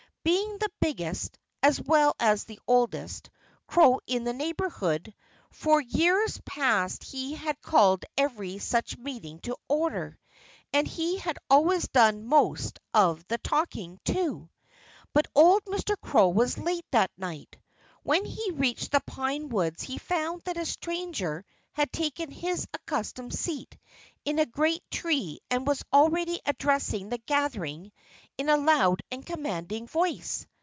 Being the biggest as well as the oldest crow in the neighborhood, for years past he had called every such meeting to order. And he had always done most of the talking, too. But old Mr. Crow was late that night. When he reached the pine woods he found that a stranger had taken his accustomed seat in a great tree and was already addressing the gathering in a loud and commanding voice.